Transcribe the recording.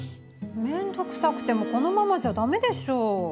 めんどくさくてもこのままじゃダメでしょ。